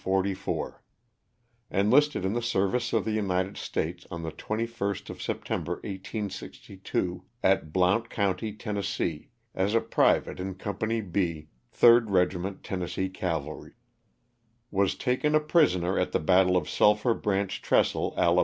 Enlisted ^ in the service of the United States on the' 21st of September, 1862, at Blount county, Tenn., as a private in Company B, 3rd Regiment Tennessee Cavalry. Was taken a prisoner at the battle of Sulphur Branch Trestle, Ala.